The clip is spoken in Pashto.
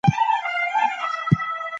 کوچنۍ، ځواني، پخوالي، زړښت، مرګ.